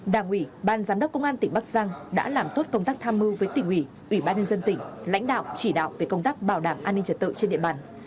đảng ủy ban giám đốc công an tỉnh bắc giang đã làm tốt công tác tham mưu với tỉnh ủy ủy ban nhân dân tỉnh lãnh đạo chỉ đạo về công tác bảo đảm an ninh trật tự trên địa bàn